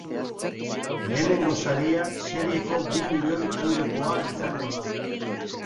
Lehenengo saria serieko bi milioi eurokoa izango da.